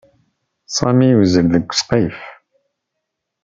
Sami yuzzel deg wesqif.